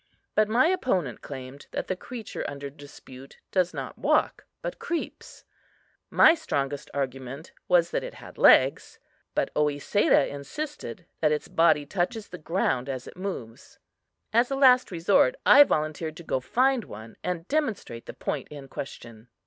But my opponent claimed that the creature under dispute does not walk, but creeps. My strongest argument was that it had legs; but Oesedah insisted that its body touches the ground as it moves. As a last resort, I volunteered to go find one, and demonstrate the point in question.